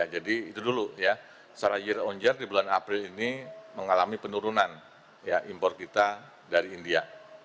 jadi itu dulu ya secara year on year di bulan april ini mengalami penurunan impor kita dari india